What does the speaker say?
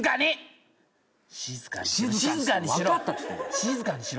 静かにしろ。